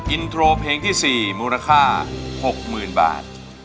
อินโทรเพลงที่๔มูลค่า๖๐๐๐บาท